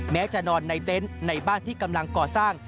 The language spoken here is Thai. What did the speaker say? แม้จะนอนในเต็นต์ในบ้านที่กำลังก่อสร้าง